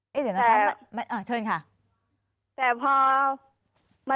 เจ้าหน้าที่แรงงานของไทยที่อยู่ที่ไต้หวันบอก